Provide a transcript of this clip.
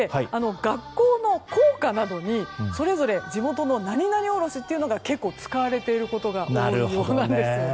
学校の校歌などにそれぞれ地元の何々おろしというのが結構、使われていることが多いようなんですね。